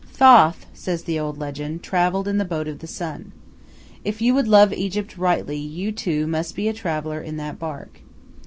Thoth, says the old legend, travelled in the Boat of the Sun. If you would love Egypt rightly, you, too, must be a traveller in that bark.